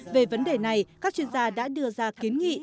về vấn đề này các chuyên gia đã đưa ra kiến nghị